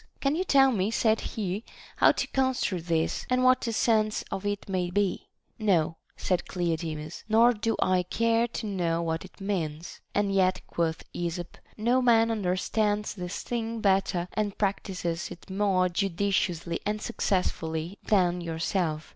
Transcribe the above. Can you tell me, said he, how to construe this, and what the sense of it may be ? No, said Cleodemus, nor do I care to know what it means. And yet, quoth Esop, no man understands this thing better and practises it more judi ciously and successfully than yourself.